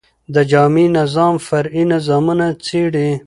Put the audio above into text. د جامع نظام، فرعي نظامونه څيړي.